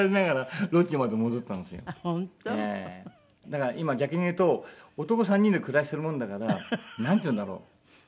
だから今逆に言うと男３人で暮らしてるもんだからなんていうんだろう。